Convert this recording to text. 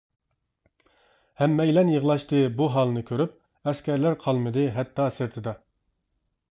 ھەممەيلەن يىغلاشتى بۇ ھالنى كۆرۈپ، ئەسكەرلەر قالمىدى ھەتتا سىرتىدا.